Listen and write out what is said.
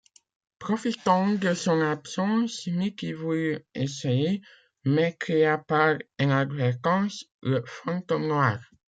Profitant de son absence, Mickey voulut essayer, mais créa par inadvertance le Fantôme noir.